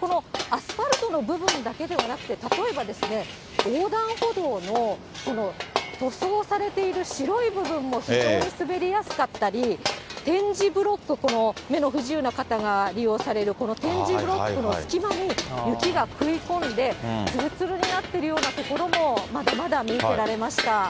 このアスファルトの部分だけではなくて、例えば横断歩道の、この塗装されている白い部分も非常に滑りやすかったり、点字ブロック、目の不自由な方が利用されるこの点字ブロックの隙間に雪が食い込んで、つるつるになってるような所もまだまだ見受けられました。